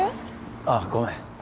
ああごめん